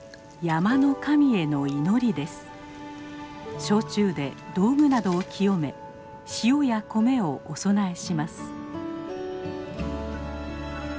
焼酎で道具などを清め塩や米をお供えします。